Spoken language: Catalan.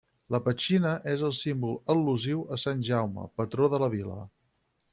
La petxina és el símbol al·lusiu a sant Jaume, patró de la vila.